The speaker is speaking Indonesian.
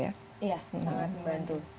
iya sangat membantu